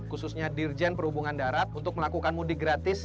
khususnya dirjen perhubungan darat untuk melakukan mudik gratis